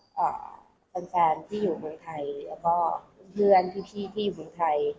ฝากแฟนที่อยู่เมืองไทยแล้วก็เพื่อนพี่ที่อยู่เมืองไทย